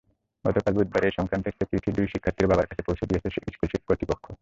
গতকাল বুধবার এ-সংক্রান্ত একটি চিঠি দুই শিক্ষার্থীর বাবার কাছে পৌঁছে দিয়েছে স্কুল কর্তৃপক্ষ।